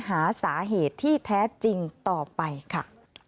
หาสาเหตุที่แท้จริงต่อไปค่ะ